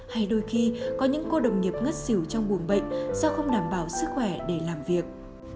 hay đôi khi có những cô đồng nghiệp ngất xỉu trong buồng bệnh do không đảm bảo sức khỏe để làm việc